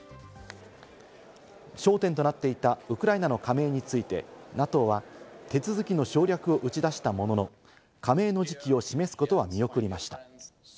焦点となっていたウクライナの加盟について、ＮＡＴＯは手続きの省略を打ち出したものの加盟の時期を示すことは見送りました。